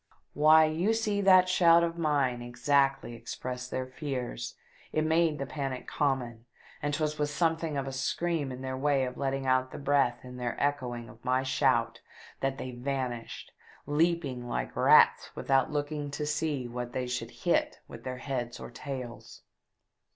Why, you see that shout of mine exactly expressed their fears, it made the panic common ; and 'twas with something of a scream in their way of letting out the breath in their echoing of my shout that they vanished, leaping like rats without looking to see what they should hit with their heads or tails.